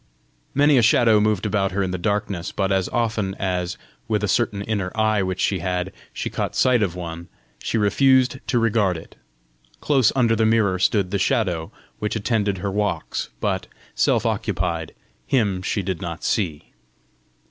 Many a shadow moved about her in the darkness, but as often as, with a certain inner eye which she had, she caught sight of one, she refused to regard it. Close under the mirror stood the Shadow which attended her walks, but, self occupied, him she did not see.